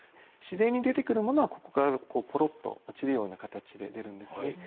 自然に出てくるものはここからぽろっと落ちるような形で出るんですね。